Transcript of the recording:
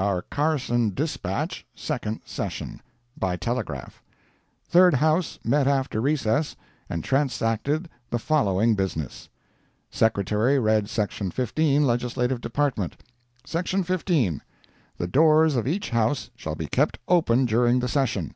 OUR CARSON DISPATCH—SECOND SESSION BY TELEGRAPH Third House met after recess, and transacted the following business: Secretary read Section 15, Legislative Department: "SECTION 15. The doors of each house shall be kept open during the session."